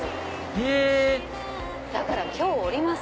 へぇだから今日降ります！